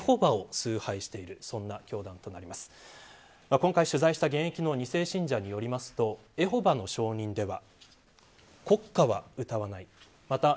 今回、取材した現役の２世信者によりますとエホバの証人では。